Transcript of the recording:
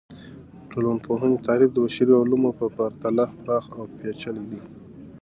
د ټولنپوهنې تعریف د بشري علومو په پرتله پراخه او پیچلي دی.